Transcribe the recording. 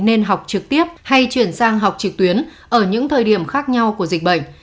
nên học trực tiếp hay chuyển sang học trực tuyến ở những thời điểm khác nhau của dịch bệnh